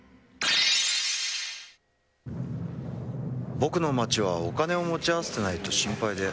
僕の街はお金を持ち合わせていないと心配で。